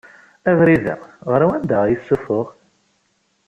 Abrid-a, ɣer wanda i isufuɣ?